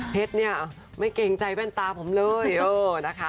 เพชรเนี่ยไม่แกรงใจแว่นตาผมเลยโอ้โหนะคะ